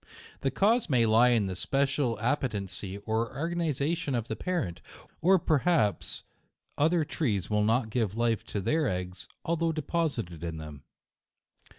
The cause may lie in the special appetency or organi zation of the parent, or perhaps other trees will not give life to their eggs, although de posited in them.